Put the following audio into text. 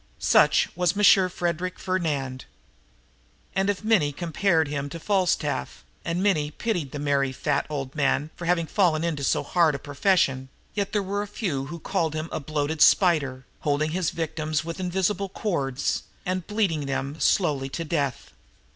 Such was Monsieur Frederic Fernand. And, if many compared him to Falstaff, and many pitied the merry, fat old man for having fallen into so hard a profession, yet there were a few who called him a bloated spider, holding his victims, with invisible cords, and bleeding them slowly to death.